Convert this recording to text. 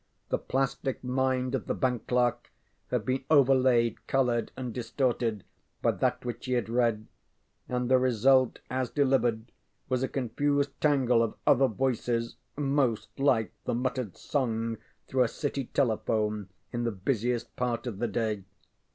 The plastic mind of the bank clerk had been overlaid, colored and distorted by that which he had read, and the result as delivered was a confused tangle of other voices most like the muttered song through a City telephone in the busiest part of the day.